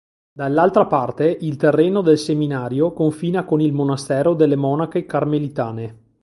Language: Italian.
Dall'altra parte, il terreno del seminario confina con il monastero delle monache carmelitane.